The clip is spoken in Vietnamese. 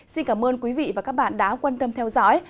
xin cảm ơn quý vị và các bạn đã quan tâm theo dõi